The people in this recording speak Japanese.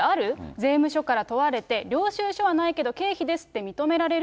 税務署から問われて、領収書はないけど、経費ですって認められる？